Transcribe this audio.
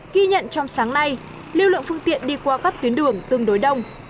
ghi nhận trong sáng nay lưu lượng phương tiện đi qua các tuyến đường tương đối đông